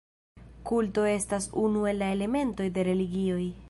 Kulto estas unu el la elementoj de religioj.